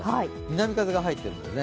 南風が入っているんですね。